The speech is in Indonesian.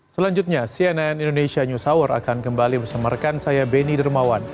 selanjutnya cnn indonesia news hour akan kembali bersama rekan saya beni dermawan